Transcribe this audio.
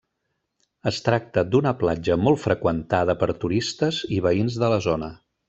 Es tracta d'una platja molt freqüentada per turistes i veïns de la zona.